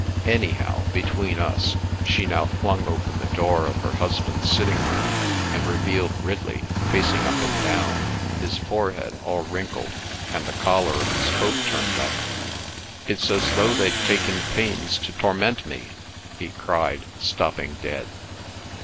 Anyhow, between us"—she now flung open the door of her husband's sitting room, and revealed Ridley pacing up and down, his forehead all wrinkled, and the collar of his coat turned up. "It's as though they'd taken pains to torment me!" he cried, stopping dead.